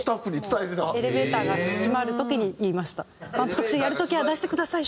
特集やる時は出してください」。